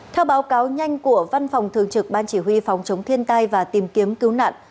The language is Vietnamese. theo báo cáo nhanh của văn phòng thường trực ban chỉ huy phòng chống thiên tai và tìm kiếm cứu nạn